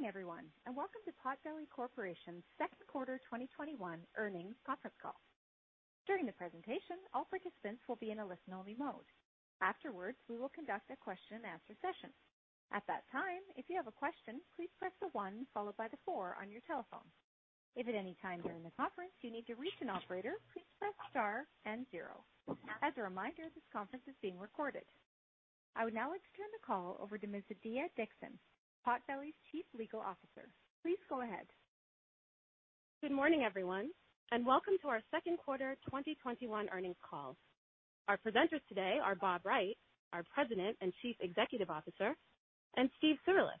Good morning, everyone, and welcome to Potbelly Corporation's Second Quarter 2021 Earnings Conference Call. During the presentation, all participants will be in a listen-only mode. Afterwards, we will conduct a question and answer session. At that time, if you have a question, please press the one followed by the four on your telephone. If at any time during the conference you need to reach an operator, please press star and zero. As a reminder, this conference is being recorded. I would now like to turn the call over to Ms. Adiya Dixon, Potbelly's Chief Legal Officer. Please go ahead. Good morning, everyone, and Welcome to our Second Quarter 2021 Earnings Call. Our presenters today are Bob Wright, our President and Chief Executive Officer, and Steve Cirulis,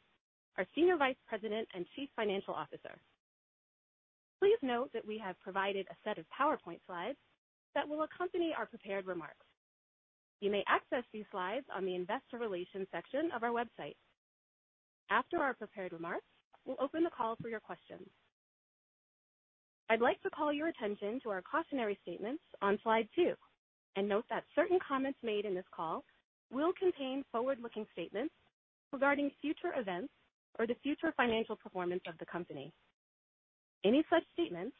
our Senior Vice President and Chief Financial Officer. Please note that we have provided a set of PowerPoint slides that will accompany our prepared remarks. You may access these slides on the investor relations section of our website. After our prepared remarks, we'll open the call for your questions. I'd like to call your attention to our cautionary statements on slide two, and note that certain comments made in this call will contain forward-looking statements regarding future events or the future financial performance of the company. Any such statements,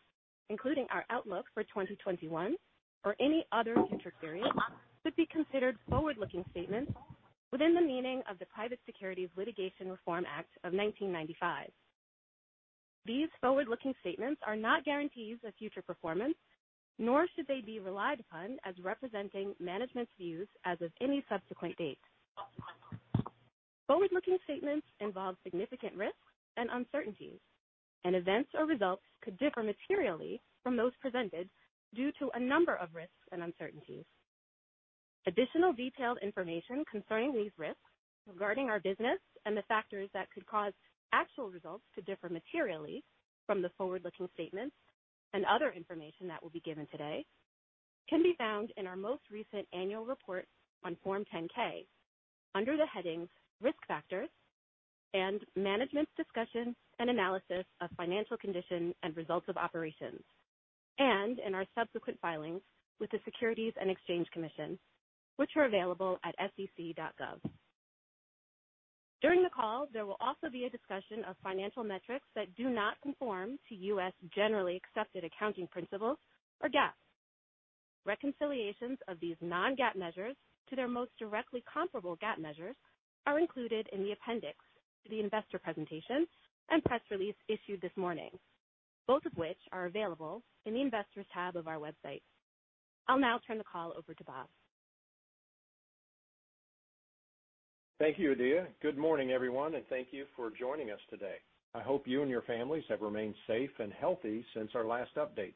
including our outlook for 2021 or any other future period, could be considered forward-looking statements within the meaning of the Private Securities Litigation Reform Act of 1995. These forward-looking statements are not guarantees of future performance, nor should they be relied upon as representing management's views as of any subsequent date. Forward-looking statements involve significant risks and uncertainties, and events or results could differ materially from those presented due to a number of risks and uncertainties. Additional detailed information concerning these risks regarding our business and the factors that could cause actual results to differ materially from the forward-looking statements and other information that will be given today can be found in our most recent annual report on Form 10-K under the headings Risk Factors and Management's Discussion and Analysis of Financial Condition and Results of Operations, and in our subsequent filings with the Securities and Exchange Commission, which are available at sec.gov. During the call, there will also be a discussion of financial metrics that do not conform to U.S. Generally Accepted Accounting Principles, or GAAP. Reconciliations of these non-GAAP measures to their most directly comparable GAAP measures are included in the appendix to the investor presentation and press release issued this morning, both of which are available in the Investors tab of our website. I'll now turn the call over to Bob. Thank you, Adiya. Good morning, everyone, and thank you for joining us today. I hope you and your families have remained safe and healthy since our last update.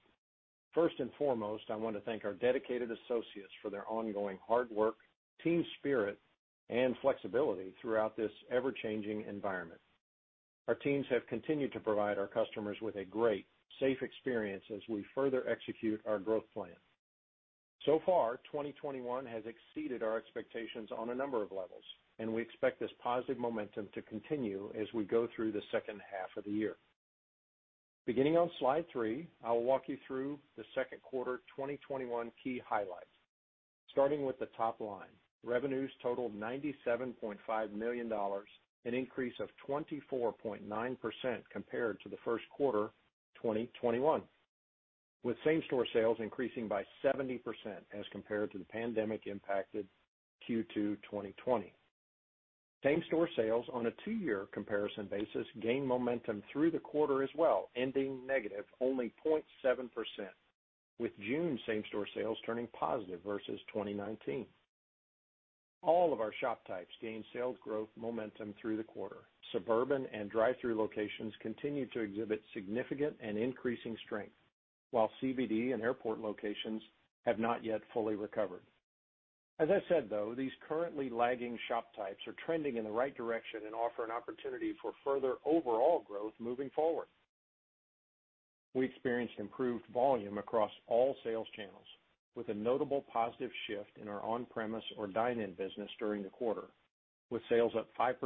First and foremost, I want to thank our dedicated associates for their ongoing hard work, team spirit, and flexibility throughout this ever-changing environment. Our teams have continued to provide our customers with a great, safe experience as we further execute our growth plan. So far, 2021 has exceeded our expectations on a number of levels, and we expect this positive momentum to continue as we go through the second half of the year. Beginning on slide three, I will walk you through the second quarter 2021 key highlights. Starting with the top line, revenues totaled $97.5 million, an increase of 24.9% compared to the first quarter 2021, with same-store sales increasing by 70% as compared to the pandemic impacted Q2 2020. Same-store sales on a two-year comparison basis gained momentum through the quarter as well, ending negative only 0.7%, with June same-store sales turning positive versus 2019. All of our shop types gained sales growth momentum through the quarter. Suburban and drive-thru locations continued to exhibit significant and increasing strength, while CBD and airport locations have not yet fully recovered. As I said, though, these currently lagging shop types are trending in the right direction and offer an opportunity for further overall growth moving forward. We experienced improved volume across all sales channels, with a notable positive shift in our on-premise or dine-in business during the quarter, with sales up 5%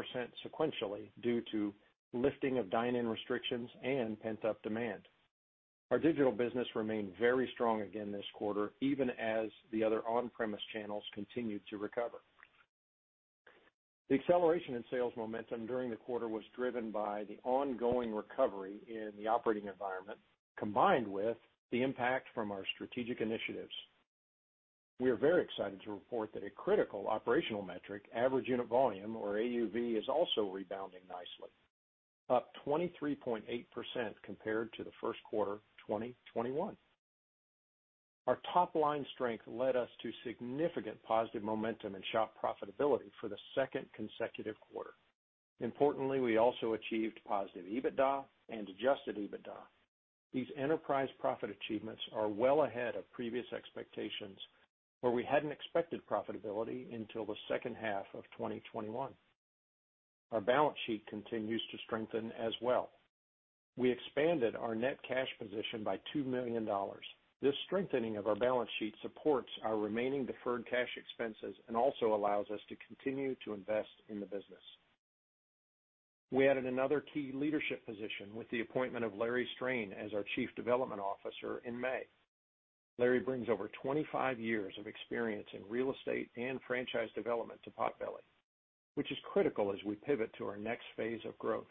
sequentially due to lifting of dine-in restrictions and pent-up demand. Our digital business remained very strong again this quarter, even as the other on-premise channels continued to recover. The acceleration in sales momentum during the quarter was driven by the ongoing recovery in the operating environment, combined with the impact from our strategic initiatives. We are very excited to report that a critical operational metric, average unit volume or AUV, is also rebounding nicely, up 23.8% compared to the first quarter 2021. Our top-line strength led us to significant positive momentum in shop profitability for the second consecutive quarter. Importantly, we also achieved positive EBITDA and Adjusted EBITDA. These enterprise profit achievements are well ahead of previous expectations, where we hadn't expected profitability until the second half of 2021. Our balance sheet continues to strengthen as well. We expanded our net cash position by $2 million. This strengthening of our balance sheet supports our remaining deferred cash expenses and also allows us to continue to invest in the business. We added another key leadership position with the appointment of Larry Strain as our Chief Development Officer in May. Larry brings over 25 years of experience in real estate and franchise development to Potbelly, which is critical as we pivot to our next phase of growth.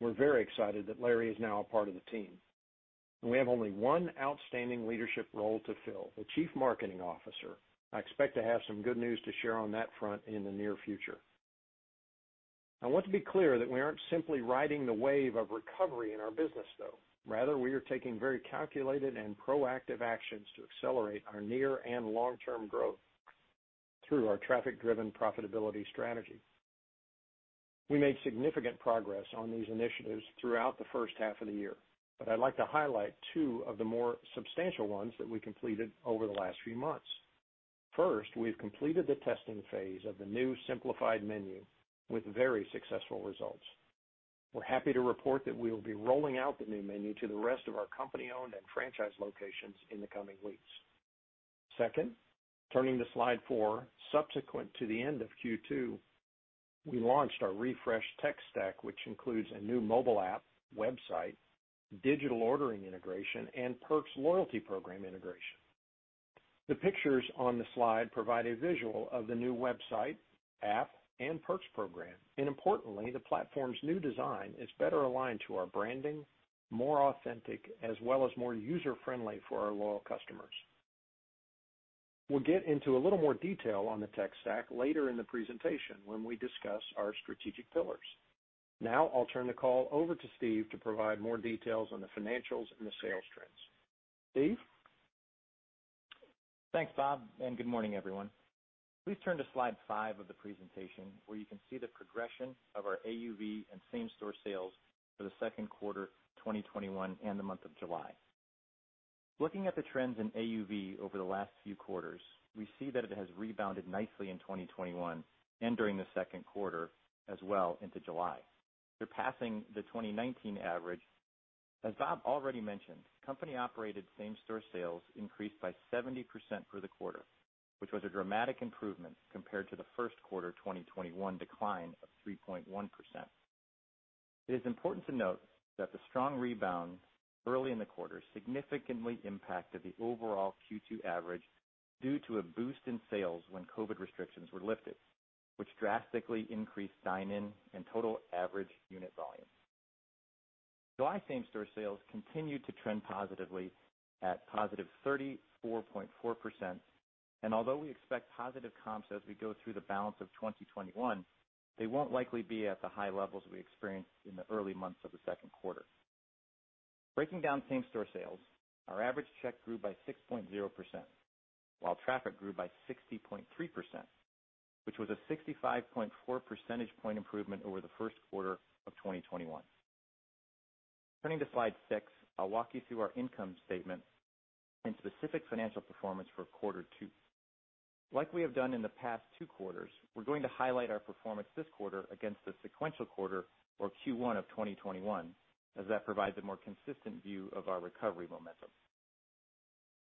We're very excited that Larry is now a part of the team. We have only one outstanding leadership role to fill, the Chief Marketing Officer. I expect to have some good news to share on that front in the near future. I want to be clear that we aren't simply riding the wave of recovery in our business, though. Rather, we are taking very calculated and proactive actions to accelerate our near and long-term growth through our traffic-driven profitability strategy. We made significant progress on these initiatives throughout the first half of the year, but I'd like to highlight two of the more substantial ones that we completed over the last few months. First, we've completed the testing phase of the new simplified menu with very successful results. We're happy to report that we will be rolling out the new menu to the rest of our company-owned and franchise locations in the coming weeks. Second, turning to slide four, subsequent to the end of Q2, we launched our refreshed Tech Stack, which includes a new mobile app, website, digital ordering integration, and Perks loyalty program integration. The pictures on the slide provide a visual of the new website, app, and Perks program. Importantly, the platform's new design is better aligned to our branding, more authentic, as well as more user-friendly for our loyal customers. We'll get into a little more detail on the Tech Stack later in the presentation when we discuss our strategic pillars. I'll turn the call over to Steve to provide more details on the financials and the sales trends. Steve? Thanks, Bob, and good morning, everyone. Please turn to slide five of the presentation where you can see the progression of our AUV and same-store sales for the second quarter 2021 and the month of July. Looking at the trends in AUV over the last few quarters, we see that it has rebounded nicely in 2021 and during the second quarter as well into July, surpassing the 2019 average. As Bob already mentioned, company-operated same-store sales increased by 70% for the quarter, which was a dramatic improvement compared to the first quarter 2021 decline of 3.1%. It is important to note that the strong rebound early in the quarter significantly impacted the overall Q2 average due to a boost in sales when COVID restrictions were lifted, which drastically increased dine-in and total average unit volume. July same-store sales continued to trend positively at positive 34.4%, and although we expect positive comps as we go through the balance of 2021, they won't likely be at the high levels we experienced in the early months of the second quarter. Breaking down same-store sales, our average check grew by 6.0%, while traffic grew by 60.3%, which was a 65.4 percentage point improvement over the first quarter of 2021. Turning to slide six, I'll walk you through our income statement and specific financial performance for quarter two. Like we have done in the past two quarters, we're going to highlight our performance this quarter against the sequential quarter or Q1 of 2021, as that provides a more consistent view of our recovery momentum.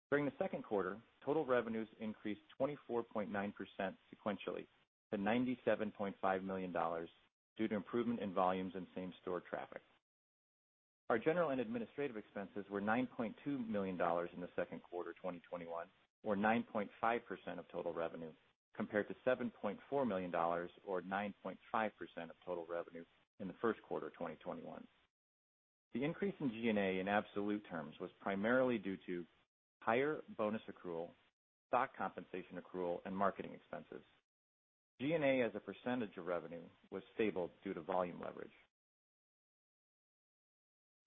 During the second quarter, total revenues increased 24.9% sequentially to $97.5 million due to improvement in volumes and same-store traffic. Our General and Administrative expenses were $9.2 million in the second quarter 2021, or 9.5% of total revenue, compared to 7.4 million or 9.5% of total revenue in the first quarter 2021. The increase in G&A in absolute terms was primarily due to higher bonus accrual, stock compensation accrual, and marketing expenses. G&A as a percentage of revenue was stable due to volume leverage.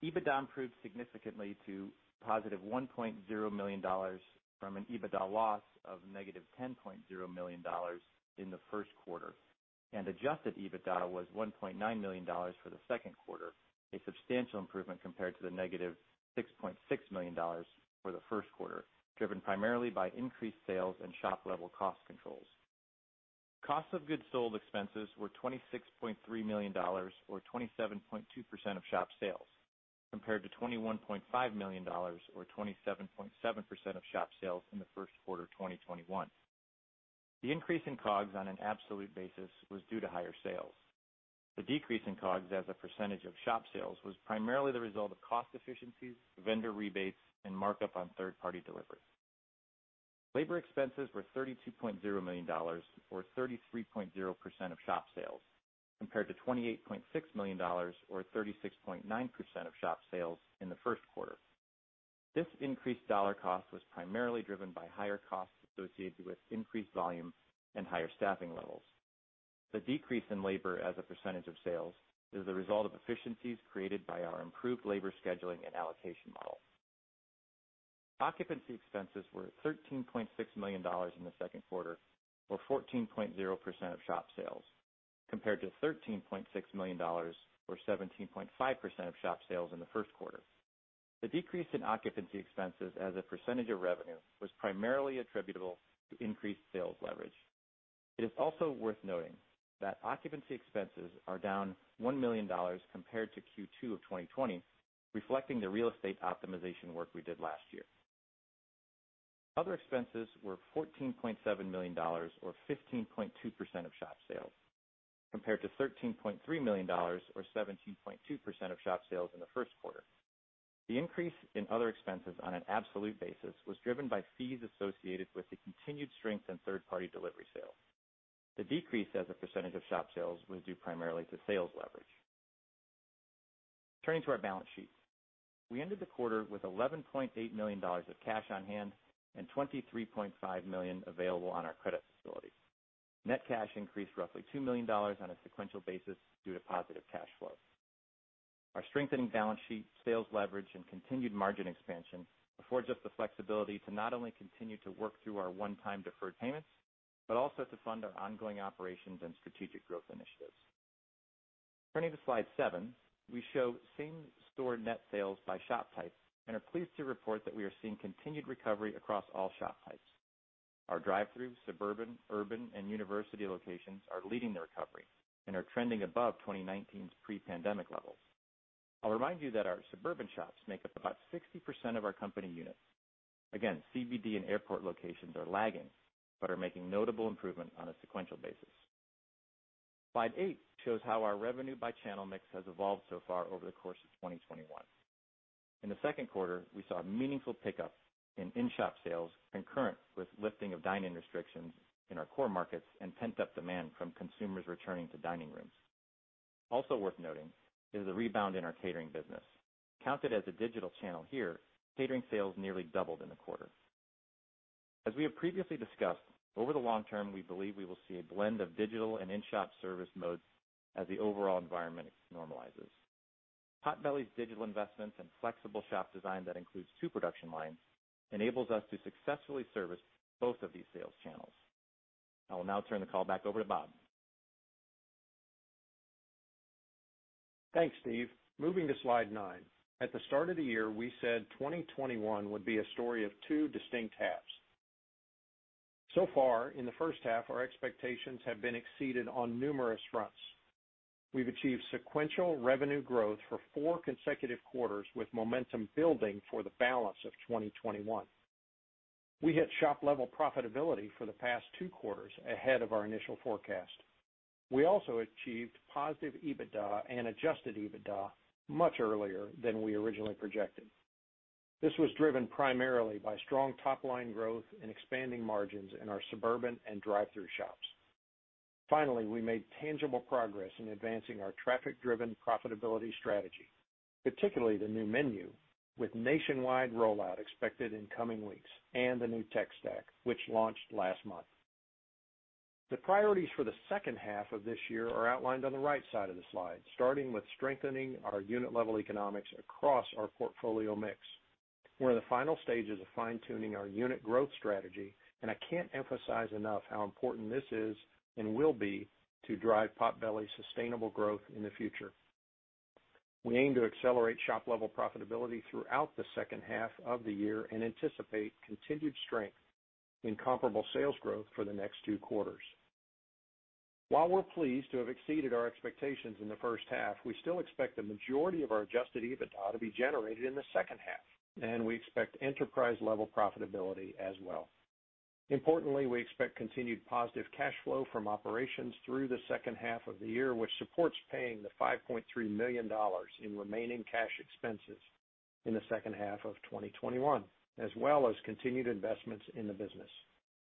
EBITDA improved significantly to positive $1.0 million from an EBITDA loss of negative $10.0 million in the first quarter, and Adjusted EBITDA was $1.9 million for the second quarter, a substantial improvement compared to the negative $6.6 million for the first quarter, driven primarily by increased sales and shop-level cost controls. Cost of goods sold expenses were $26.3 million, or 27.2% of shop sales, compared to $21.5 million, or 27.7% of shop sales in the first quarter 2021. The increase in COGS on an absolute basis was due to higher sales. The decrease in COGS as a percentage of shop sales was primarily the result of cost efficiencies, vendor rebates, and markup on third-party deliveries. Labor expenses were $32.0 million or 33.0% of shop sales, compared to 28.6 million or 36.9% of shop sales in the first quarter. This increased dollar cost was primarily driven by higher costs associated with increased volume and higher staffing levels. The decrease in labor as a percentage of sales is the result of efficiencies created by our improved labor scheduling and allocation model. Occupancy expenses were $13.6 million in the second quarter, or 14.0% of shop sales, compared to $13.6 million or 17.5% of shop sales in the first quarter. The decrease in occupancy expenses as a percentage of revenue was primarily attributable to increased sales leverage. It is also worth noting that occupancy expenses are down $1 million compared to Q2 2020, reflecting the real estate optimization work we did last year. Other expenses were $14.7 million, or 15.2% of shop sales, compared to $13.3 million, or 17.2% of shop sales in the first quarter. The increase in other expenses on an absolute basis was driven by fees associated with the continued strength in third-party delivery sales. The decrease as a percentage of shop sales was due primarily to sales leverage. Turning to our balance sheet. We ended the quarter with $11.8 million of cash on hand, and 23.5 million available on our credit facility. Net cash increased roughly $2 million on a sequential basis due to positive cash flow. Our strengthening balance sheet, sales leverage, and continued margin expansion affords us the flexibility to not only continue to work through our one-time deferred payments, but also to fund our ongoing operations and strategic growth initiatives. Turning to slide seven, we show same-store net sales by shop type and are pleased to report that we are seeing continued recovery across all shop types. Our drive-through, suburban, urban, and university locations are leading the recovery and are trending above 2019's pre-pandemic levels. I'll remind you that our suburban shops make up about 60% of our company units. CBD and airport locations are lagging, but are making notable improvement on a sequential basis. Slide eight shows how our revenue by channel mix has evolved so far over the course of 2021. In the second quarter, we saw a meaningful pickup in in-shop sales concurrent with lifting of dining restrictions in our core markets and pent-up demand from consumers returning to dining rooms. Also worth noting is the rebound in our catering business. Counted as a digital channel here, catering sales nearly doubled in the quarter. As we have previously discussed, over the long term, we believe we will see a blend of digital and in-shop service modes as the overall environment normalizes. Potbelly's digital investments and flexible shop design that includes two production lines enables us to successfully service both of these sales channels. I will now turn the call back over to Bob. Thanks, Steve. Moving to slide nine. At the start of the year, we said 2021 would be a story of two distinct halves. So far, in the first half, our expectations have been exceeded on numerous fronts. We've achieved sequential revenue growth for four consecutive quarters with momentum building for the balance of 2021. We hit shop-level profitability for the past two quarters ahead of our initial forecast. We also achieved positive EBITDA and Adjusted EBITDA much earlier than we originally projected. This was driven primarily by strong top-line growth and expanding margins in our suburban and drive-through shops. Finally, we made tangible progress in advancing our traffic-driven profitability strategy, particularly the new menu, with nationwide rollout expected in coming weeks, and the new Tech Stack, which launched last month. The priorities for the second half of this year are outlined on the right side of the slide, starting with strengthening our unit-level economics across our portfolio mix. We're in the final stages of fine-tuning our unit growth strategy, and I can't emphasize enough how important this is and will be to drive Potbelly's sustainable growth in the future. We aim to accelerate shop-level profitability throughout the second half of the year and anticipate continued strength in comparable sales growth for the next two quarters. While we're pleased to have exceeded our expectations in the first half, we still expect the majority of our Adjusted EBIT to be generated in the second half, and we expect enterprise-level profitability as well. Importantly, we expect continued positive cash flow from operations through the second half of the year, which supports paying the $5.3 million in remaining cash expenses in the second half of 2021, as well as continued investments in the business.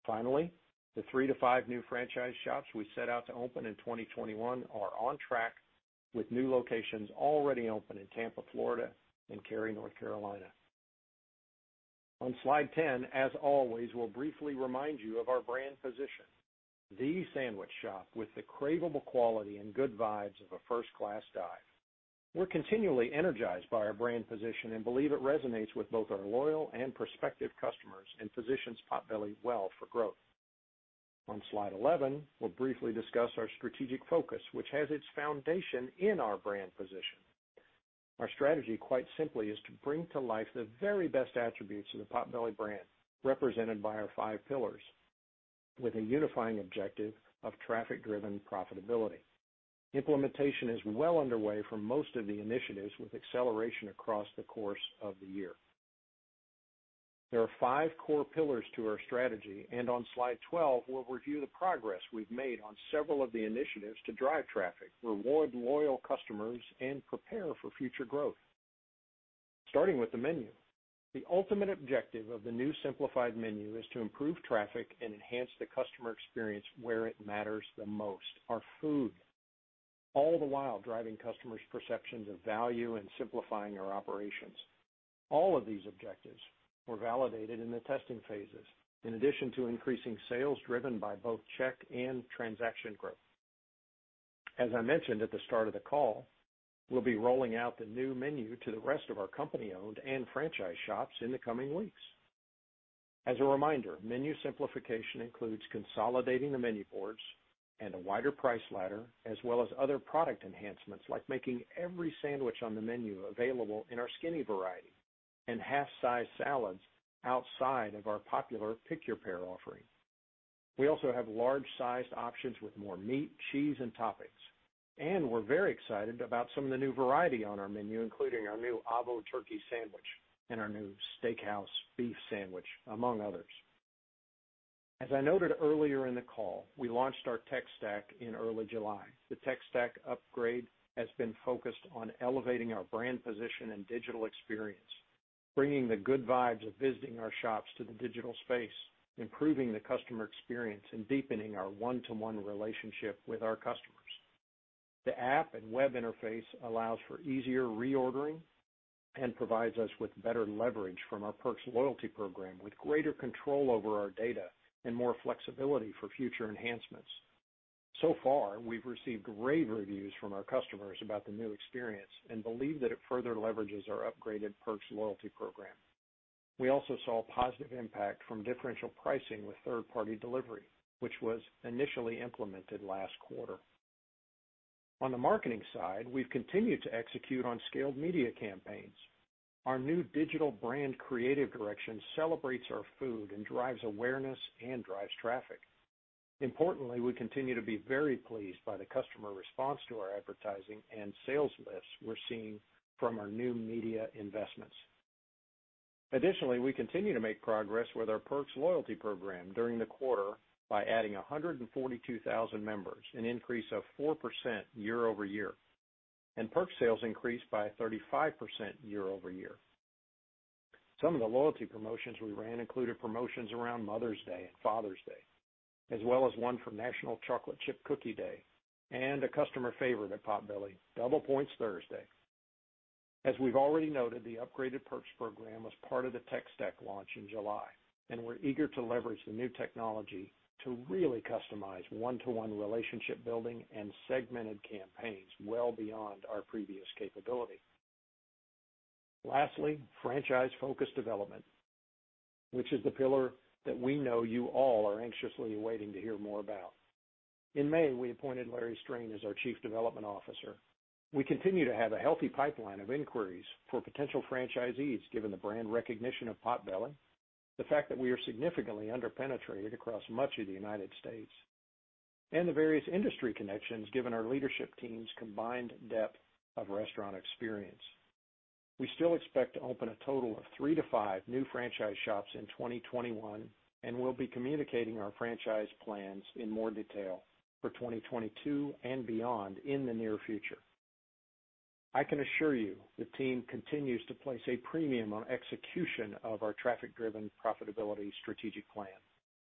Finally, the three to five new franchise shops we set out to open in 2021 are on track with new locations already open in Tampa, Florida, and Cary, North Carolina. On slide 10, as always, we'll briefly remind you of our brand position, the sandwich shop with the craveable quality and good vibes of a first-class dive. We're continually energized by our brand position and believe it resonates with both our loyal and prospective customers and positions Potbelly well for growth. On slide 11, we'll briefly discuss our strategic focus, which has its foundation in our brand position. Our strategy, quite simply, is to bring to life the very best attributes of the Potbelly brand, represented by our five pillars, with a unifying objective of traffic-driven profitability. Implementation is well underway for most of the initiatives with acceleration across the course of the year. There are five core pillars to our strategy, and on slide 12, we'll review the progress we've made on several of the initiatives to drive traffic, reward loyal customers, and prepare for future growth. Starting with the menu. The ultimate objective of the new simplified menu is to improve traffic and enhance the customer experience where it matters the most, our food, all the while driving customers' perceptions of value and simplifying our operations. All of these objectives were validated in the testing phases, in addition to increasing sales driven by both check and transaction growth. As I mentioned at the start of the call, we'll be rolling out the new menu to the rest of our company-owned and franchise shops in the coming weeks. As a reminder, menu simplification includes consolidating the menu boards and a wider price ladder, as well as other product enhancements, like making every sandwich on the menu available in our skinny variety, and half-size salads outside of our popular Pick-Your-Pair offering. We also have large-sized options with more meat, cheese, and toppings. We're very excited about some of the new variety on our menu, including our new Avo Turkey sandwich and our new Steakhouse Beef sandwich, among others. As I noted earlier in the call, I launched our Tech Stack in early July. The Tech Stack upgrade has been focused on elevating our brand position and digital experience, bringing the good vibes of visiting our shops to the digital space, improving the customer experience, and deepening our one-to-one relationship with our customers. The app and web interface allows for easier reordering, and provides us with better leverage from our Perks loyalty program, with greater control over our data and more flexibility for future enhancements. So far, we've received rave reviews from our customers about the new experience and believe that it further leverages our upgraded Perks loyalty program. We also saw a positive impact from differential pricing with third-party delivery, which was initially implemented last quarter. On the marketing side, we've continued to execute on scaled media campaigns. Our new digital brand creative direction celebrates our food and drives awareness and drives traffic. Importantly, we continue to be very pleased by the customer response to our advertising and sales lifts we're seeing from our new media investments. Additionally, we continue to make progress with our Perks loyalty program during the quarter by adding 142,000 members, an increase of 4% year-over-year, and Perks sales increased by 35% year-over-year. Some of the loyalty promotions we ran included promotions around Mother's Day and Father's Day, as well as one for National Chocolate Chip Cookie Day and a customer favorite at Potbelly, Double Points Thursday. As we've already noted, the upgraded Perks program was part of the Tech Stack launch in July, and we're eager to leverage the new technology to really customize one-to-one relationship building and segmented campaigns well beyond our previous capability. Lastly, Franchise-focused development, which is the pillar that we know you all are anxiously waiting to hear more about. In May, we appointed Larry Strain as our Chief Development Officer. We continue to have a healthy pipeline of inquiries for potential franchisees, given the brand recognition of Potbelly, the fact that we are significantly under-penetrated across much of the United States, and the various industry connections given our leadership team's combined depth of restaurant experience. We still expect to open a total of three to five new franchise shops in 2021, and we'll be communicating our franchise plans in more detail for 2022 and beyond in the near future. I can assure you the team continues to place a premium on execution of our traffic-driven profitability strategic plan,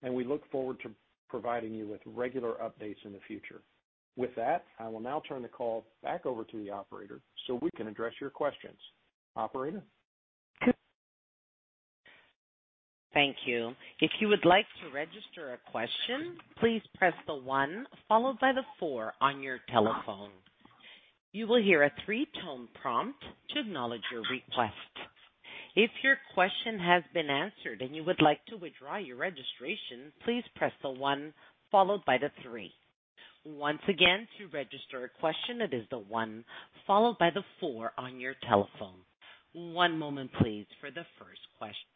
and we look forward to providing you with regular updates in the future. With that, I will now turn the call back over to the Operator so we can address your questions. Operator? Thank you. If you would like to register a question, please press the one followed by the four on your telephone. You will hear a three-tone prompt to acknowledge your request. If your question has been answered and you would like to withdraw your registration, please press the one followed by the three. Once again, to register a question, it is the one followed by the four on your telephone. One moment, please, for the first question.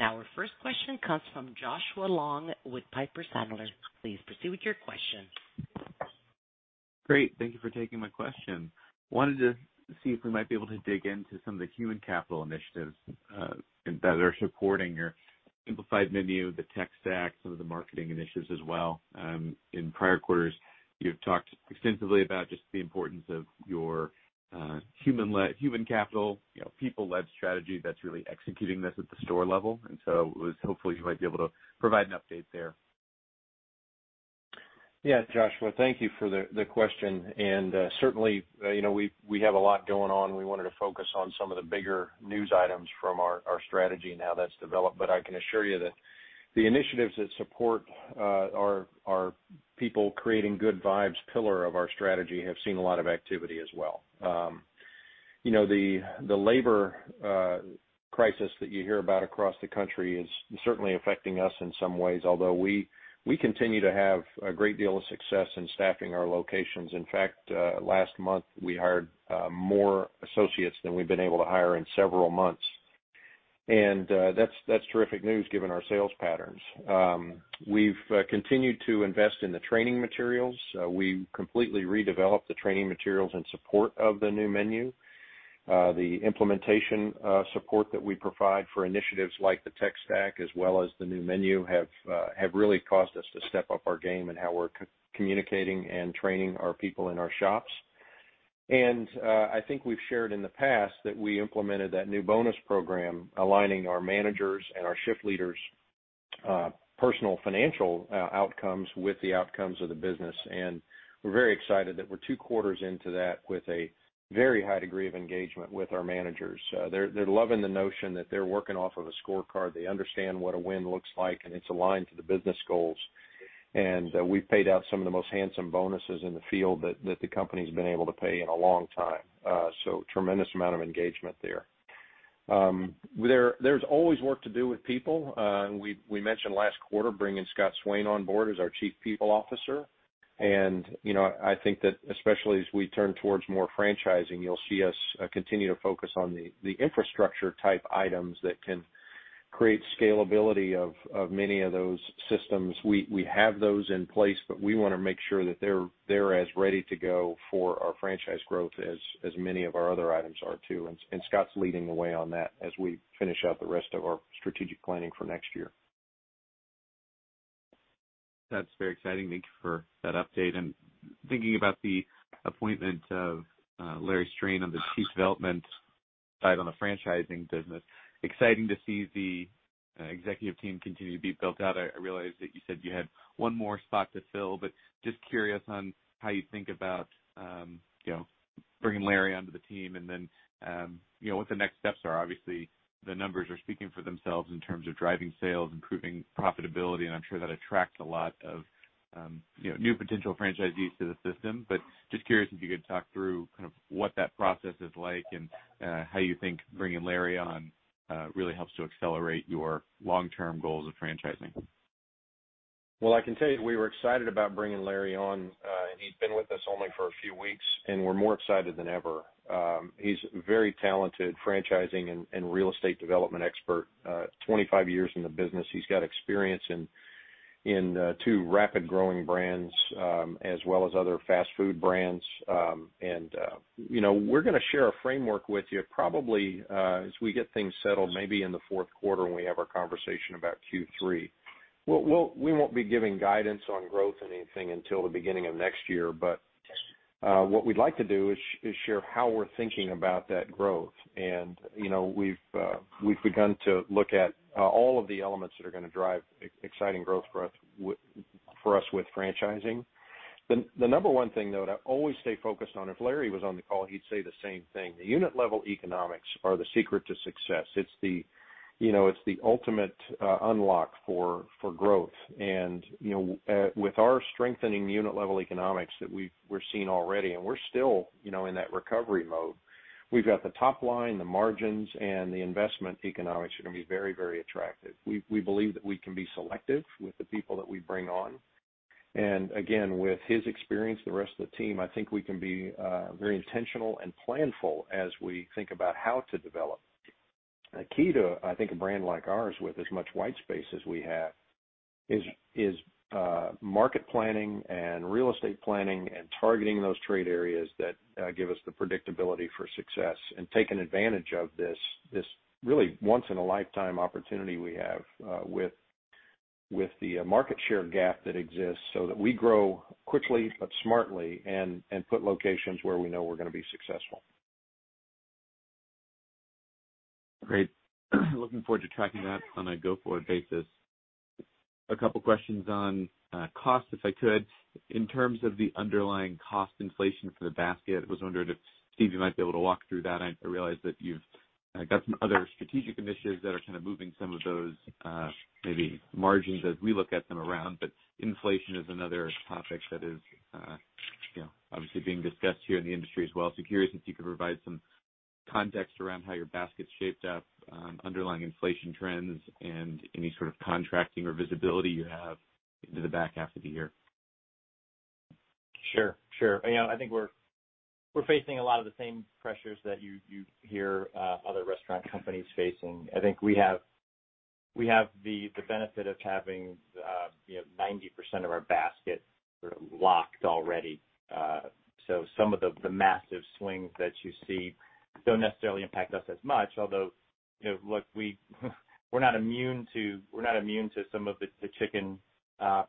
Our first question comes from Joshua Long with Piper Sandler. Please proceed with your question. Great. Thank you for taking my question. I wanted to see if we might be able to dig into some of the human capital initiatives that are supporting your simplified menu, the Tech Stack, some of the marketing initiatives as well. In prior quarters, you've talked extensively about just the importance of your human capital, people-led strategy that's really executing this at the store level. And so hopefully you might be able to provide an update there. Yeah, Joshua, thank you for the question. Certainly, we have a lot going on. We wanted to focus on some of the bigger news items from our strategy and how that's developed. I can assure you that the initiatives that support our people creating good vibes pillar of our strategy have seen a lot of activity as well. The labor crisis that you hear about across the country is certainly affecting us in some ways, although we continue to have a great deal of success in staffing our locations. In fact, last month, we hired more associates than we've been able to hire in several months, and that's terrific news given our sales patterns. We've continued to invest in the training materials. So, we completely redeveloped the training materials in support of the new menu. The implementation support that we provide for initiatives like the Tech Stack as well as the new menu have really caused us to step up our game in how we're communicating and training our people in our shops. I think we've shared in the past that we implemented that new bonus program aligning our managers' and our shift leaders' personal financial outcomes with the outcomes of the business. We're very excited that we're two quarters into that with a very high degree of engagement with our managers. They're loving the notion that they're working off of a scorecard. They understand what a win looks like, and it's aligned to the business goals. We've paid out some of the most handsome bonuses in the field that the company's been able to pay in a long time. Tremendous amount of engagement there. There's always work to do with people. We mentioned last quarter bringing Scott Swayne on board as our Chief People Officer. I think that especially as we turn towards more franchising, you'll see us continue to focus on the infrastructure type items that can create scalability of many of those systems. We have those in place, we want to make sure that they're as ready to go for our franchise growth as many of our other items are too. Scott's leading the way on that as we finish up the rest of our strategic planning for next year. That's very exciting. Thank you for that update. Thinking about the appointment of Larry Strain on the Chief Development side on the franchising business, exciting to see the executive team continue to be built out. I realize that you said you had one more spot to fill, just curious on how you think about bringing Larry onto the team and then what the next steps are. Obviously, the numbers are speaking for themselves in terms of driving sales, improving profitability, I'm sure that attracts a lot of new potential franchisees to the system. Just curious if you could talk through what that process is like and how you think bringing Larry on really helps to accelerate your long-term goals of franchising. Well, I can tell you we were excited about bringing Larry on. He'd been with us only for a few weeks. We're more excited than ever. He's a very talented franchising and real estate development expert, 25 years in the business. He's got experience in two rapid growing brands, as well as other fast food brands. We're going to share a framework with you probably as we get things settled, maybe in the fourth quarter when we have our conversation about Q3. We won't be giving guidance on growth or anything until the beginning of next year. What we'd like to do is share how we're thinking about that growth. We've begun to look at all of the elements that are going to drive exciting growth for us with franchising. The number one thing, though, to always stay focused on, if Larry was on the call, he'd say the same thing. The unit level economics are the secret to success. It's the ultimate unlock for growth. With our strengthening unit level economics that we're seeing already, and we're still in that recovery mode. We've got the top line, the margins, and the investment economics are going to be very attractive. We believe that we can be selective with the people that we bring on. Again, with his experience, the rest of the team, I think we can be very intentional and planful as we think about how to develop. A key to, I think, a brand like ours with as much white space as we have is market planning and real estate planning and targeting those trade areas that give us the predictability for success and taking advantage of this really once in a lifetime opportunity we have with the market share gap that exists so that we grow quickly but smartly and put locations where we know we're going to be successful. Great. Looking forward to tracking that on a go-forward basis. A couple questions on cost, if I could. In terms of the underlying cost inflation for the basket, I was wondering if, Steve, you might be able to walk through that. I realize that you've got some other strategic initiatives that are kind of moving some of those maybe margins as we look at them around. Inflation is another topic that is obviously being discussed here in the industry as well. Curious if you could provide some context around how your basket's shaped up, underlying inflation trends, and any sort of contracting or visibility you have into the back half of the year? Sure. I think we're facing a lot of the same pressures that you hear other restaurant companies facing. I think we have the benefit of having 90% of our basket locked already. Some of the massive swings that you see don't necessarily impact us as much. Although, look, we're not immune to some of the chicken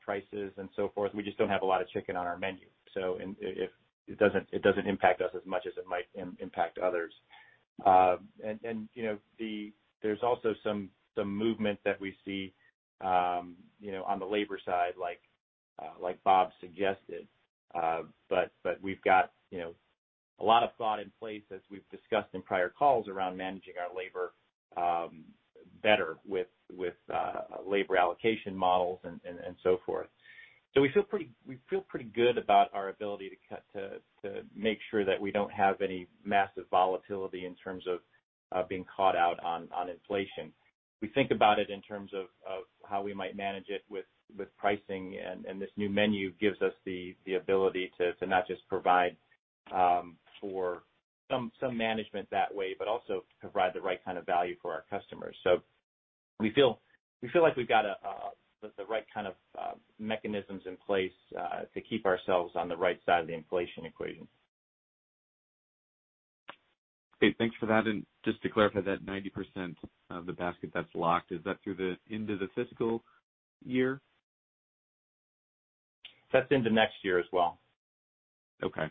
prices and so forth. We just don't have a lot of chicken on our menu. It doesn't impact us as much as it might impact others. There's also some movement that we see on the labor side, like Bob suggested. We've got a lot of thought in place as we've discussed in prior calls around managing our labor better with labor allocation models and so forth. We feel pretty good about our ability to make sure that we don't have any massive volatility in terms of being caught out on inflation. We think about it in terms of how we might manage it with pricing, and this new menu gives us the ability to not just provide for some management that way, but also provide the right kind of value for our customers. We feel like we've got the right kind of mechanisms in place to keep ourselves on the right side of the inflation equation. Okay, thanks for that. Just to clarify that 90% of the basket that's locked, is that through into the fiscal year? That's into next year as well. Okay.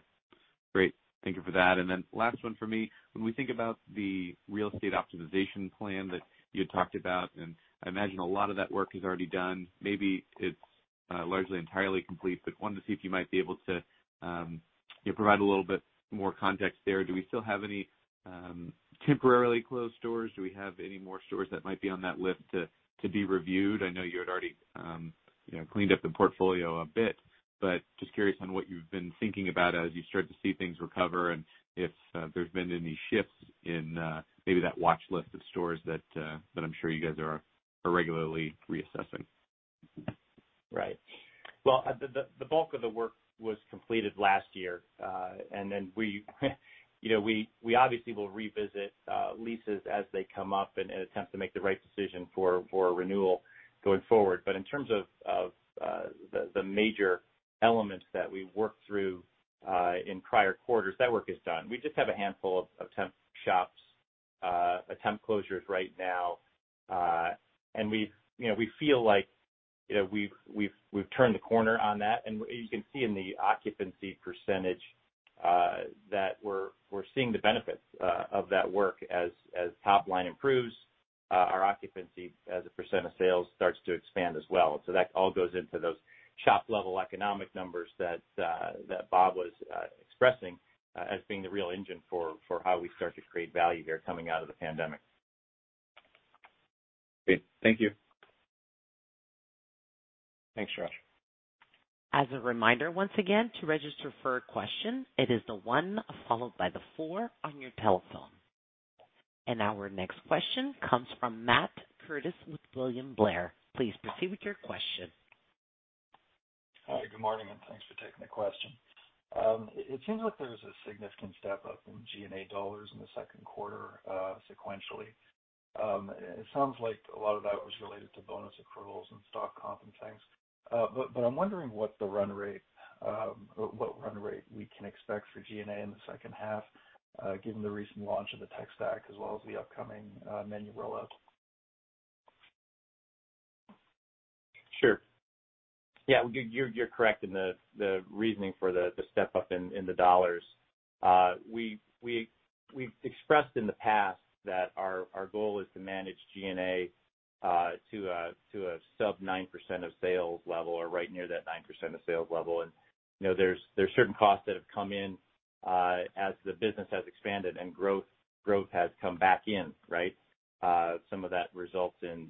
Great. Thank you for that. Last one for me. When we think about the real estate optimization plan that you had talked about, I imagine a lot of that work is already done. Maybe it's largely entirely complete, wanted to see if you might be able to provide a little bit more context there. Do we still have any temporarily closed stores? Do we have any more stores that might be on that list to be reviewed? I know you had already cleaned up the portfolio a bit. Just curious on what you've been thinking about as you start to see things recover and if there's been any shifts in maybe that watch list of stores that I'm sure you guys are regularly reassessing. Right. Well, the bulk of the work was completed last year. Then we obviously will revisit leases as they come up and attempt to make the right decision for a renewal going forward. In terms of the major elements that we worked through in prior quarters, that work is done. We just have a handful of temp shops, temp closures right now. And we feel like we've turned the corner on that, and you can see in the occupancy percentage that we're seeing the benefits of that work. As top line improves, our occupancy as a percent of sales starts to expand as well. That all goes into those shop-level economic numbers that Bob was expressing as being the real engine for how we start to create value here coming out of the pandemic. Great. Thank you. Thanks, Josh. As a reminder, once again, to register for a question, it is the one followed by the four on your telephone. Our next question comes from Matt Curtis with William Blair. Please proceed with your question. Hi, good morning, and thanks for taking the question. It seems like there was a significant step up in G&A dollars in the second quarter sequentially. It sounds like a lot of that was related to bonus accruals and stock comp and things. But I'm wondering what run rate we can expect for G&A in the second half, given the recent launch of the Tech Stack as well as the upcoming menu rollout. Sure. Yeah, you're correct in the reasoning for the step up in the dollars. We've expressed in the past that our goal is to manage G&A to a sub 9% of sales level or right near that 9% of sales level. There's certain costs that have come in as the business has expanded and growth has come back in, right? Some of that results in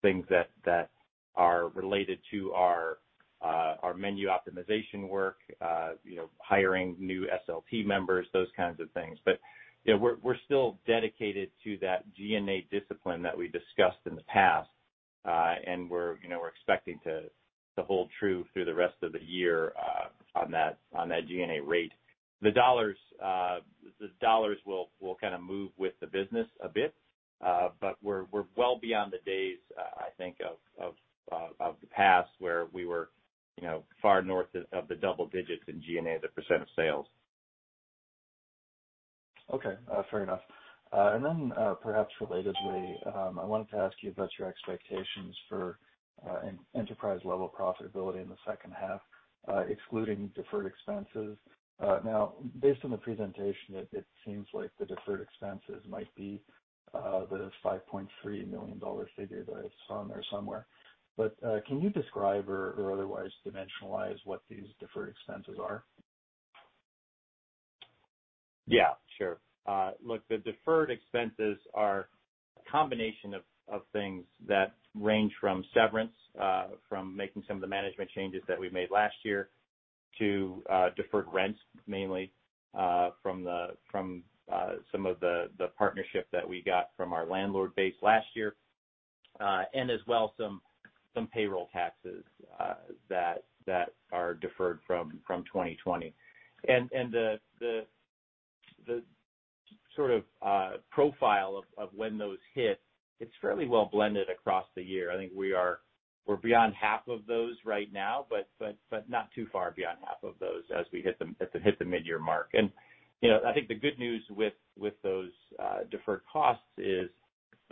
things that are related to our menu optimization work, hiring new SLT members, those kinds of things. We're still dedicated to that G&A discipline that we discussed in the past. We're expecting to hold true through the rest of the year on that G&A rate. The dollars will kind of move with the business a bit. But we're well beyond the days, I think, of the past where we were far north of the double digits in G&A as a percent of sales. Okay. Fair enough. Perhaps relatedly, I wanted to ask you about your expectations for enterprise-level profitability in the second half, excluding deferred expenses. Based on the presentation, it seems like the deferred expenses might be the $5.3 million figure that I saw in there somewhere. Can you describe or otherwise dimensionalize what these deferred expenses are? Yeah. Sure. Look, the deferred expenses are a combination of things that range from severance, from making some of the management changes that we made last year to deferred rents, mainly, from some of the partnership that we got from our landlord base last year, as well as some payroll taxes that are deferred from 2020. The sort of profile of when those hit, it's fairly well blended across the year. I think we're beyond half of those right now, but not too far beyond half of those as we hit the midyear mark. I think the good news with those deferred costs is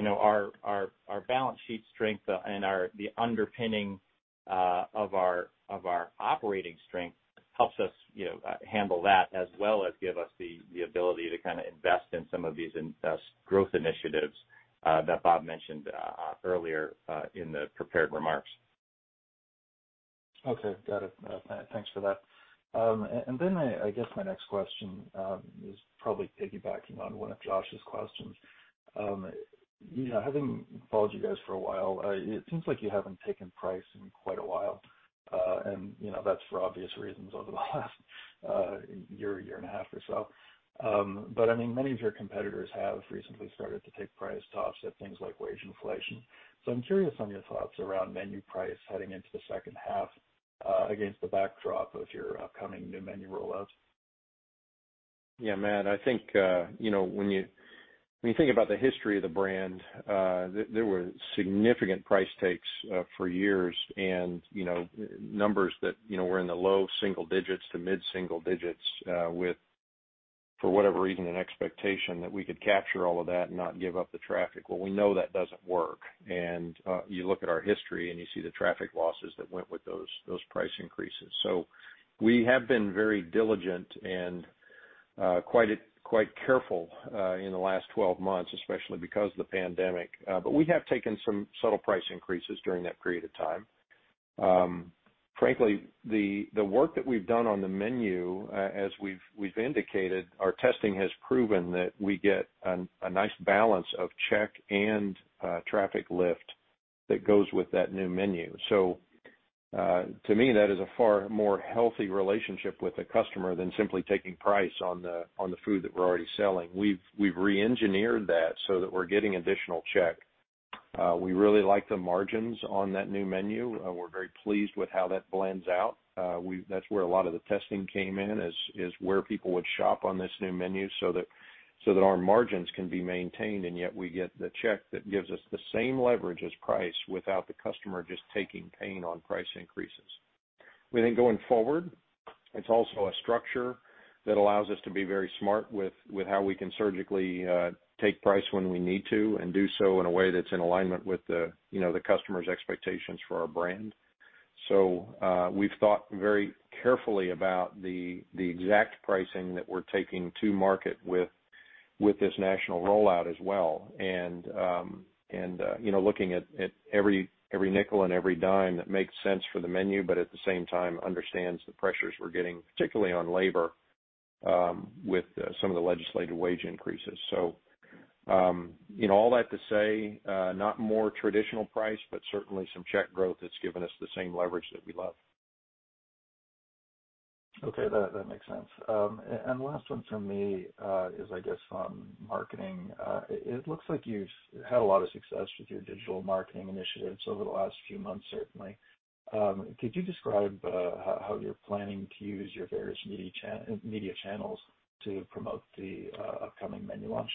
our balance sheet strength and the underpinning of our operating strength helps us handle that as well as give us the ability to invest in some of these growth initiatives that Bob mentioned earlier in the prepared remarks. Okay. Got it. Thanks for that. I guess my next question is probably piggybacking on one of Josh's questions. Having followed you guys for a while, it seems like you haven't taken price in quite a while. That's for obvious reasons over the last year and a half or so. Many of your competitors have recently started to take price to offset things like wage inflation. I'm curious on your thoughts around menu price heading into the second half against the backdrop of your upcoming new menu rollouts? Yeah, Matt, I think when you think about the history of the brand, there were significant price takes for years and numbers that were in the low single digits to mid single digits with, for whatever reason, an expectation that we could capture all of that and not give up the traffic. Well, we know that doesn't work. You look at our history, and you see the traffic losses that went with those price increases. So, we have been very diligent and quite careful in the last 12 months, especially because of the pandemic. We have taken some subtle price increases during that period of time. Frankly, the work that we've done on the menu, as we've indicated, our testing has proven that we get a nice balance of check and traffic lift that goes with that new menu. To me, that is a far more healthy relationship with a customer than simply taking price on the food that we're already selling. We've re-engineered that so that we're getting additional check. We really like the margins on that new menu. We're very pleased with how that blends out. That's where a lot of the testing came in, is where people would shop on this new menu so that our margins can be maintained, and yet we get the check that gives us the same leverage as price without the customer just taking pain on price increases. We think going forward, it's also a structure that allows us to be very smart with how we can surgically take price when we need to and do so in a way that's in alignment with the customer's expectations for our brand. We've thought very carefully about the exact pricing that we're taking to market with this national rollout as well. Looking at every nickel and every dime that makes sense for the menu, but at the same time understands the pressures we're getting, particularly on labor, with some of the legislative wage increases. All that to say, not more traditional price, but certainly some check growth that's given us the same leverage that we love. Okay. That makes sense. Last one from me is, I guess on marketing. It looks like you've had a lot of success with your digital marketing initiatives over the last few months, certainly. Could you describe how you're planning to use your various media channels to promote the upcoming menu launch?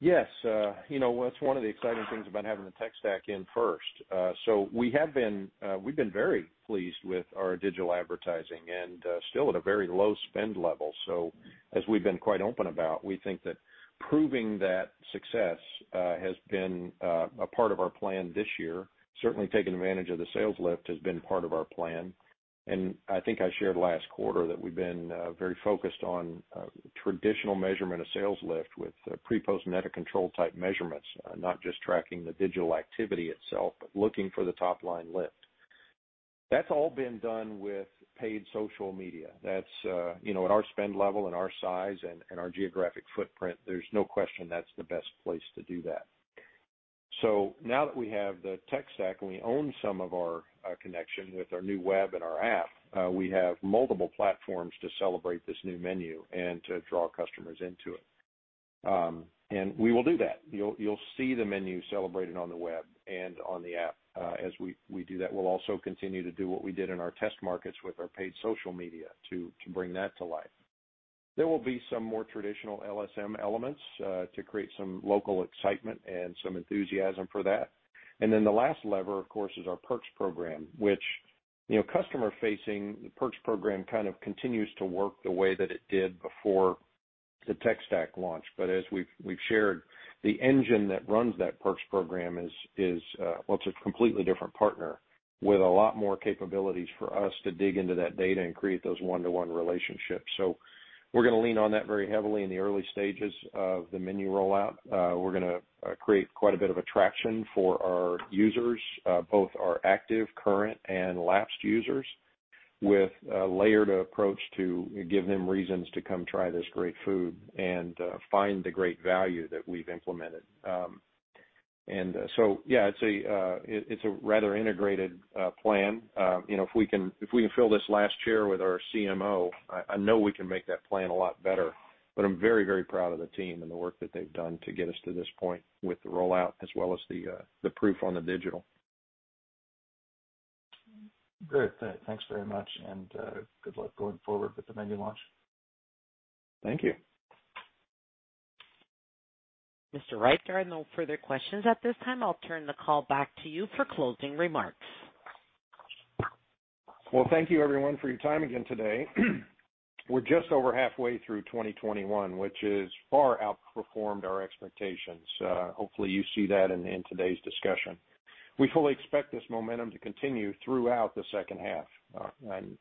Yes. That's one of the exciting things about having the Tech Stack in first. We have been.. We've been very pleased with our digital advertising and still at a very low spend level. As we've been quite open about, we think that proving that success has been a part of our plan this year. Certainly, taking advantage of the sales lift has been part of our plan. I think, I shared last quarter that we've been very focused on traditional measurement of sales lift with pre/post/meta control type measurements. Not just tracking the digital activity itself, but looking for the top-line lift. That's all been done with paid social media. At our spend level and our size and our geographic footprint, there's no question that's the best place to do that. So, now that we have the Tech Stack, and we own some of our connection with our new web and our app, we have multiple platforms to celebrate this new menu and to draw customers into it. We will do that. You'll see the menu celebrated on the web and on the app. As we do that, we'll also continue to do what we did in our test markets with our paid social media to bring that to life. There will be some more traditional LSM elements to create some local excitement and some enthusiasm for that. The last lever, of course, is our Perks program, which customer-facing Perks program kind of continues to work the way that it did before the Tech Stack launch. As we've shared, the engine that runs that Perks program is a completely different partner with a lot more capabilities for us to dig into that data and create those one-to-one relationships. So, we're going to lean on that very heavily in the early stages of the menu rollout. We're going to create quite a bit of attraction for our users, both our active, current, and lapsed users, with a layered approach to give them reasons to come try this great food and find the great value that we've implemented. And, so, yeah, it's a rather integrated plan. If we can fill this last chair with our CMO, I know we can make that plan a lot better, but I'm very proud of the team and the work that they've done to get us to this point with the rollout as well as the proof on the digital. Great. Thanks very much, good luck going forward with the menu launch. Thank you. Mr. Wright, there are no further questions at this time. I'll turn the call back to you for closing remarks. Well, thank you everyone for your time again today. We're just over halfway through 2021, which has far outperformed our expectations. Hopefully, you see that in today's discussion. We fully expect this momentum to continue throughout the second half.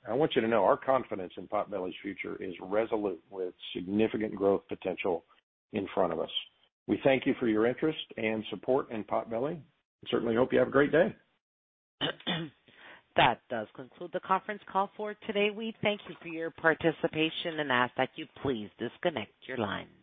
I want you to know, our confidence in Potbelly's future is resolute with significant growth potential in front of us. We thank you for your interest and support in Potbelly, and certainly hope you have a great day. That does conclude the conference call for today. We thank you for your participation and ask that you please disconnect your lines.